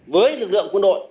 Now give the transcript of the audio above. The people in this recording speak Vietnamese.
với lực lượng quân đội